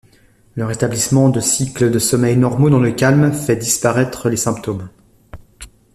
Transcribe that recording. Le rétablissement de cycles de sommeil normaux dans le calme fait disparaître les symptômes.